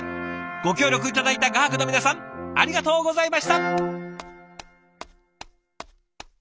ご協力頂いた画伯の皆さんありがとうございました。